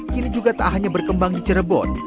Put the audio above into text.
kini juga tak hanya berkembang di cirebon